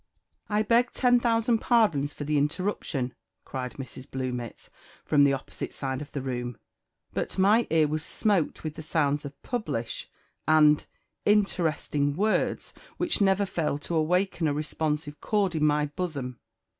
"I beg ten thousand pardons for the interruption," cried Mrs. Bluemits from the opposite side of the room; "but my ear was smote with the sounds of publish, and _interesting, words _which never fail to awaken a responsive chord in my bosom.